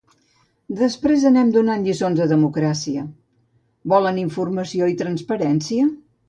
Després anem donant lliçons de democràcia…, volen informació i transparència?